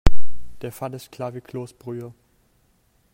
Der Fall ist klar wie Kloßbrühe.